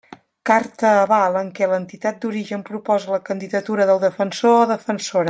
Carta aval en què l'entitat d'origen proposa la candidatura del Defensor o Defensora.